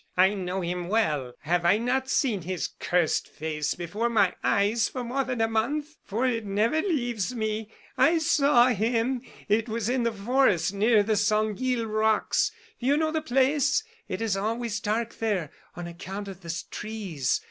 I know him well; have I not seen his cursed face before my eyes for more than a month for it never leaves me. I saw him. It was in the forest near the Sanguille rocks. You know the place; it is always dark there, on account of the trees.